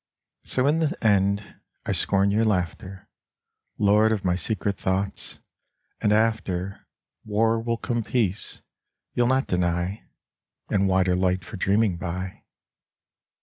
So in the end I scorn your laughter, Lord of my secret thoughts ! And after War will come peace, you'll not deny, And wider light for dreaming by.